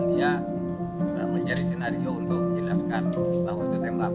dia menjadi sinario untuk jelaskan bahwa itu tempat